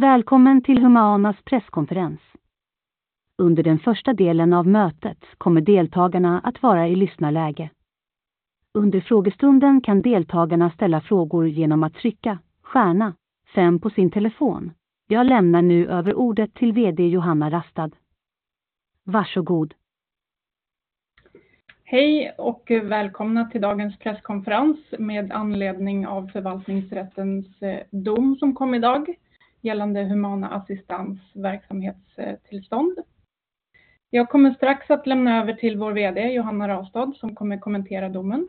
Välkommen till Humana presskonferens! Under den första delen av mötet kommer deltagarna att vara i lyssnarläge. Under frågestunden kan deltagarna ställa frågor igenom att trycka stjärna fem på sin telefon. Jag lämnar nu över ordet till VD Johanna Rastad. Varsågod! Hej och välkomna till dagens presskonferens med anledning av förvaltningsrättens dom som kom i dag gällande Humana Assistans verksamhetstillstånd. Jag kommer strax att lämna över till vår VD, Johanna Rastad, som kommer kommentera domen.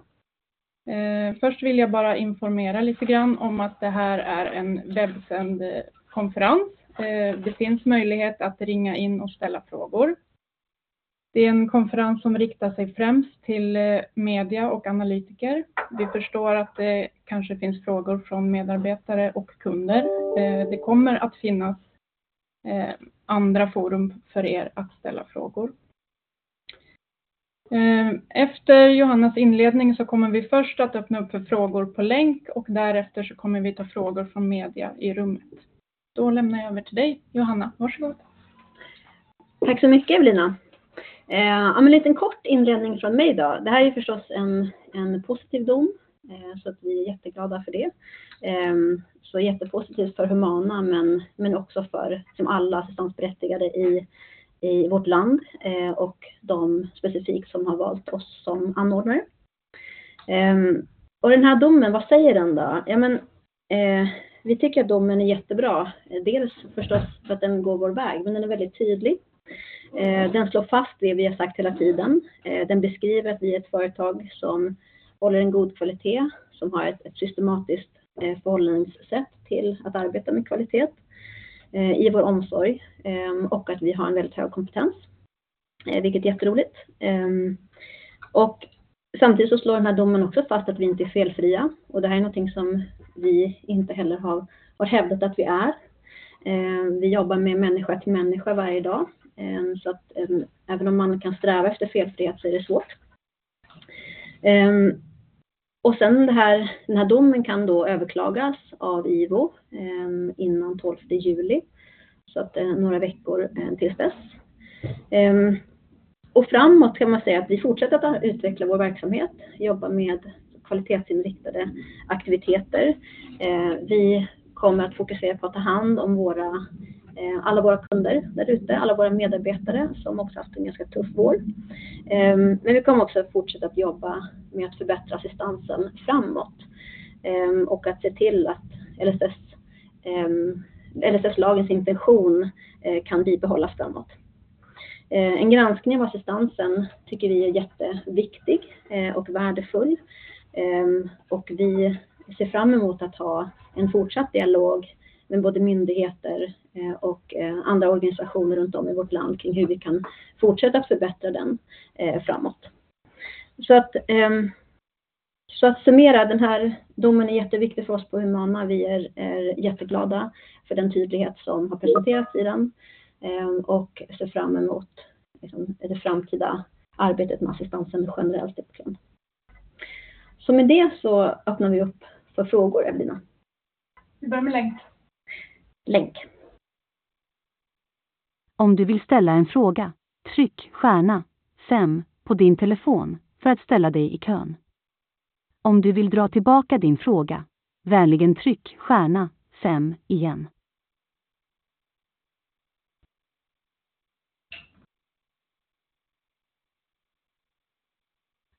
Först vill jag bara informera lite grann om att det här är en webbsänd konferens. Det finns möjlighet att ringa in och ställa frågor. Det är en konferens som riktar sig främst till media och analytiker. Vi förstår att det kanske finns frågor från medarbetare och kunder. Det kommer att finnas, andra forum för er att ställa frågor. Efter Johannas inledning så kommer vi först att öppna upp för frågor på länk och därefter så kommer vi ta frågor från media i rummet. Lämnar jag över till dig, Johanna. Varsågod! Tack så mycket, Evelina. Ja men en liten kort inledning från mig då. Det här är förstås en positiv dom, så att vi är jätteglada för det. Jättepositivt för Humana, men också för som alla assistansberättigade i vårt land och de specifikt som har valt oss som anordnare. Den här domen, vad säger den då? Ja, vi tycker att domen är jättebra. Dels förstås för att den går vår väg, men den är väldigt tydlig. Den slår fast det vi har sagt hela tiden. Den beskriver att vi är ett företag som håller en god kvalitet, som har ett systematiskt förhållningssätt till att arbeta med kvalitet, i vår omsorg, och att vi har en väldigt hög kompetens, vilket är jätteroligt. Samtidigt så slår den här domen också fast att vi inte är felfria, och det här är någonting som vi inte heller har hävdat att vi är. Vi jobbar med människa till människa varje dag, även om man kan sträva efter felfrihet så är det svårt. Den här domen kan då överklagas av IVO inom July 12th. Det är några veckor till LSS. Framåt kan man säga att vi fortsätter att utveckla vår verksamhet, jobba med kvalitetsinriktade aktiviteter. Vi kommer att fokusera på att ta hand om alla våra kunder där ute, alla våra medarbetare som också haft en ganska tuff vår. Vi kommer också att fortsätta att jobba med att förbättra assistansen framåt, och att se till att LSS-lagens intention kan bibehållas framåt. En granskning av assistansen tycker vi är jätteviktig och värdefull. Och vi ser fram emot att ha en fortsatt dialog med både myndigheter och andra organisationer runt om i vårt land kring hur vi kan fortsätta att förbättra den framåt. Summera den här domen är jätteviktig för oss på Humana. Vi är jätteglada för den tydlighet som har presenterats i den och ser fram emot det framtida arbetet med assistansen generellt sett då. Med det så öppnar vi upp för frågor, Evelina. Vi börjar med länk. Länk. Om du vill ställa en fråga, tryck stjärna fem på din telefon för att ställa dig i kön. Om du vill dra tillbaka din fråga, vänligen tryck stjärna fem igen.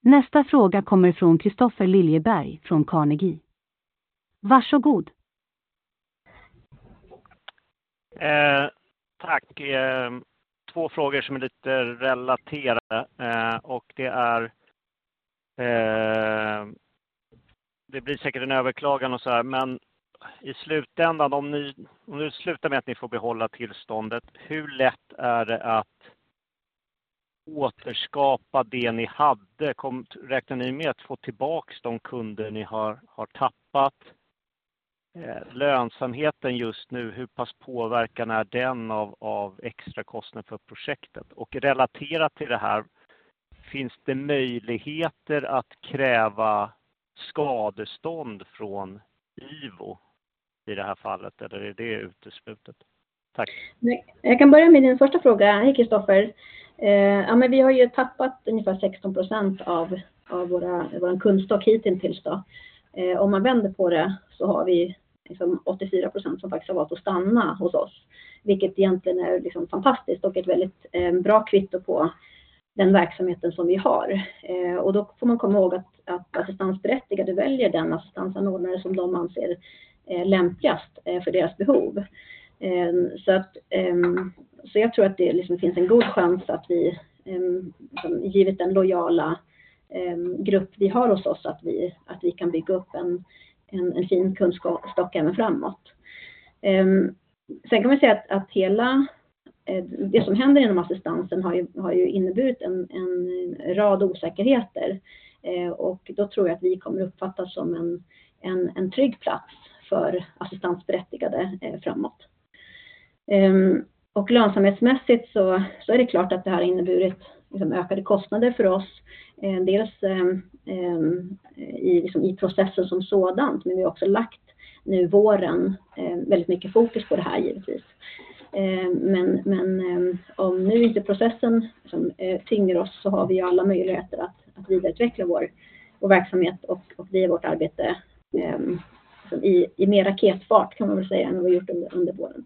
Nästa fråga kommer från Kristofer Liljeberg från Carnegie. Varsågod! Tack! Two frågor som är lite relaterade, och det är... Det blir säkert en överklagan och såhär, men i slutändan, om det slutar med att ni får behålla tillståndet, hur lätt är det att återskapa det ni hade? Räknar ni med att få tillbaka de kunder ni har tappat? Lönsamheten just nu, hur pass påverkad är den av extrakostnad för projektet? Relaterat till det här, finns det möjligheter att kräva skadestånd från IVO i det här fallet eller är det uteslutet? Tack. Jag kan börja med din första fråga. Hej Kristofer! Vi har ju tappat ungefär 16% av vår kundstock hittills då. Om man vänder på det så har vi liksom 84% som faktiskt har valt att stanna hos oss, vilket egentligen är liksom fantastiskt och ett väldigt bra kvitto på den verksamheten som vi har. Man får komma ihåg att assistansberättigade väljer den assistansanordnare som de anser är lämpligast för deras behov. Jag tror att det finns en god chans att vi givet den lojala grupp vi har hos oss, att vi kan bygga upp en fin kundstock även framåt. Sen kan man säga att hela det som händer inom assistansen har ju inneburit en rad osäkerheter och då tror jag att vi kommer uppfattas som en trygg plats för assistansberättigade framåt. Lönsamhetsmässigt så är det klart att det här har inneburit liksom ökade kostnader för oss. Dels i liksom i processen som sådan, men vi har också lagt nu i våren väldigt mycket fokus på det här givetvis. Men om nu inte processen som tvingar oss så har vi ju alla möjligheter att vidareutveckla vår verksamhet och driva vårt arbete som i mer raketfart kan man väl säga, än vad vi gjort under våren.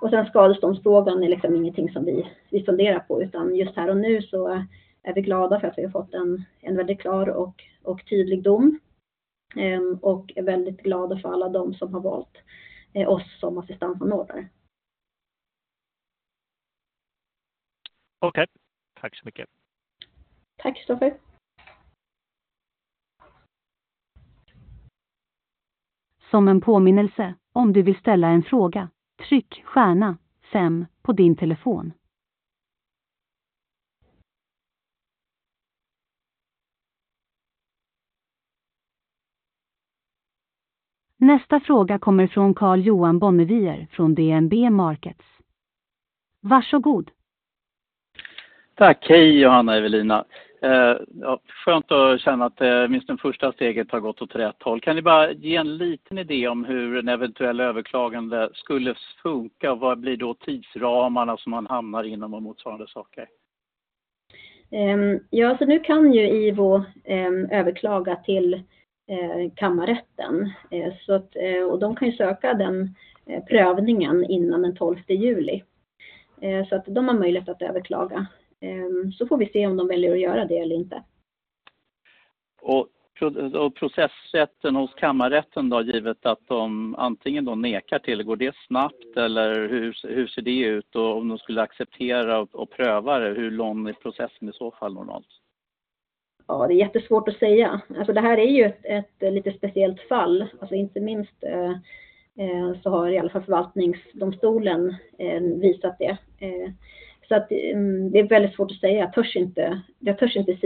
Sen skadeståndsfrågan är liksom ingenting som vi funderar på, utan just här och nu så är vi glada för att vi har fått en väldigt klar och tydlig dom. Är väldigt glada för alla de som har valt oss som assistansanordnare. Okej, tack så mycket! Tack, Kristofer. Som en påminnelse, om du vill ställa en fråga, tryck stjärna fem på din telefon. Nästa fråga kommer från Karl-Johan Bonnevier från DNB Markets. Varsågod! Tack! Hej Johanna Evelina. Ja, skönt att känna att minst det första steget har gått åt rätt håll. Kan ni bara ge en liten idé om hur en eventuell överklagande skulle funka? Vad blir då tidsramarna som man hamnar inom och motsvarande saker? Nu kan ju IVO överklaga till kammarrätten. De kan ju söka den prövningen innan den tolfte juli. De har möjlighet att överklaga. Får vi se om de väljer att göra det eller inte. Processätten hos kammarrätten då, givet att de antingen då nekar till, går det snabbt eller hur ser det ut? Om de skulle acceptera och pröva det, hur lång är processen i så fall normalt? Ja, det är jättesvårt att säga. Det här är ju ett lite speciellt fall. Inte minst så har i alla fall förvaltningsdomstolen visat det. Det är väldigt svårt att säga. Jag törs inte, jag törs inte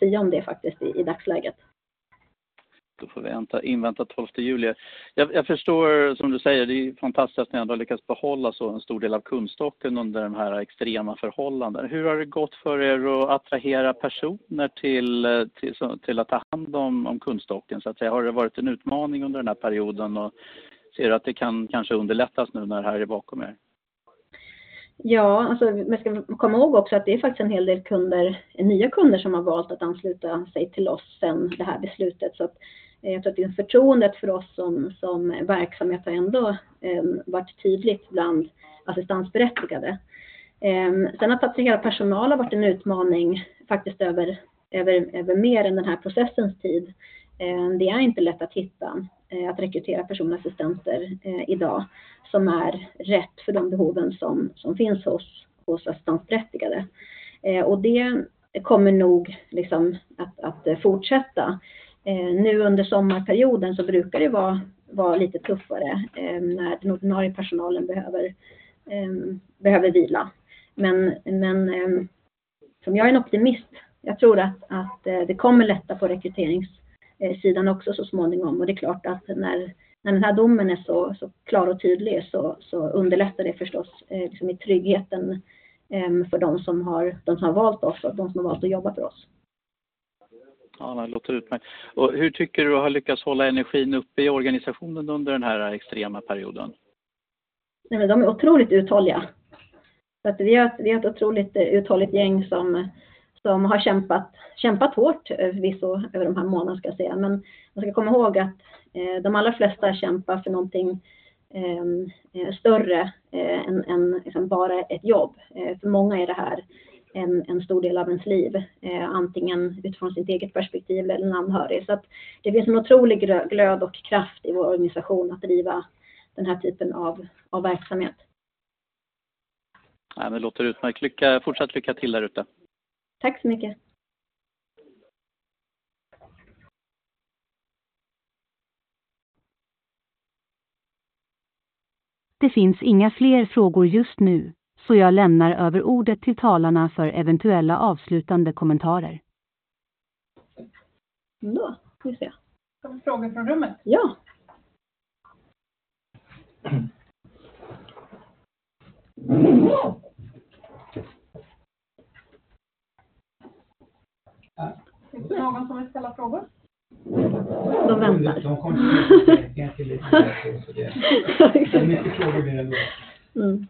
sia om det faktiskt i dagsläget. Får vi vänta, invänta 12th of July. Jag förstår, som du säger, det är fantastiskt att ni ändå lyckats behålla så en stor del av kundstocken under de här extrema förhållanden. Hur har det gått för er att attrahera personer till att ta hand om kundstocken så att säga? Har det varit en utmaning under den här perioden och ser du att det kan kanske underlättas nu när det här är bakom er? Man ska komma ihåg också att det är faktiskt en hel del kunder, nya kunder, som har valt att ansluta sig till oss sedan det här beslutet. Jag tror att det är förtroendet för oss som verksamhet har ändå varit tydligt bland assistansberättigade. Sen att attrahera personal har varit en utmaning, faktiskt över mer än den här processens tid. Det är inte lätt att hitta, att rekrytera personliga assistenter idag, som är rätt för de behoven som finns hos assistansberättigade. Det kommer nog liksom att fortsätta. Nu under sommarperioden så brukar det vara lite tuffare när den ordinarie personalen behöver vila. Som jag är en optimist, jag tror att det kommer lätta på rekryteringssidan också så småningom. Det är klart att när den här domen är så klar och tydlig, så underlättar det förstås liksom i tryggheten för de som har valt oss och de som har valt att jobba för oss. Ja, det låter utmärkt. Hur tycker du att du har lyckats hålla energin uppe i organisationen under den här extrema perioden? De är otroligt uthålliga. Vi är ett, vi är ett otroligt uthålligt gäng som har kämpat hårt förvisso över de här månaderna ska jag säga. Man ska komma ihåg att eh, de allra flesta kämpar för någonting eh, större än liksom bara ett jobb. För många är det här en stor del av ens liv, eh, antingen utifrån sitt eget perspektiv eller en anhörig. Det blir en otrolig glöd och kraft i vår organisation att driva den här typen av verksamhet. Nej, det låter utmärkt. Fortsätt lycka till där ute! Tack så mycket. Det finns inga fler frågor just nu, så jag lämnar över ordet till talarna för eventuella avslutande kommentarer. Då får vi se. Frågor från rummet? Ja. Är det någon som vill ställa frågor? De väntar. Det är mycket frågor mer än vad- Mm.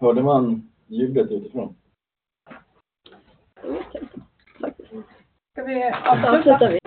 Hörde man ljudet utifrån? Det låter... Ska vi avsluta? Fortsätter vi.